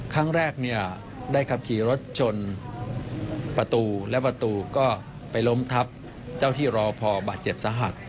ครั้งแรกเนี่ยได้ขับขี่รถชนประตูและประตูก็ไปล้มทับเจ้าที่รอพอบาดเจ็บสาหัส